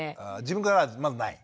自分からはまずない？